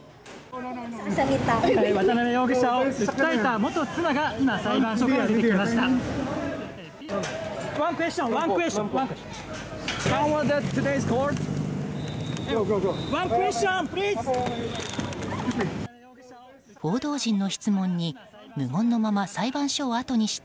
渡辺容疑者の元妻が今、裁判所から出てきました。